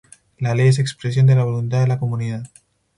La ley es expresión de la voluntad de la comunidad.